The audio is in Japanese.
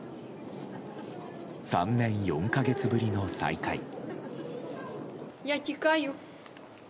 ３年４か月ぶりの再会。